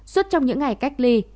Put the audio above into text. suốt trong những ngày cách ly